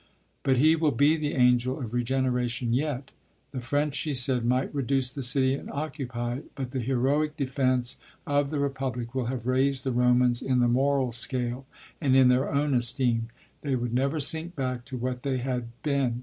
But he will be the Angel of Regeneration yet." The French, she said, might reduce the city and occupy it; but the heroic defence of the Republic "will have raised the Romans in the moral scale, and in their own esteem." They would never sink back to what they had been.